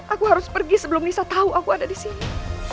aku harus pergi sebelum nisa tahu aku ada di sini